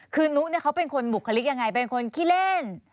คือนุเนี่ยเขาเป็นคนบุคลิกยังไงเป็นคนขี้เล่น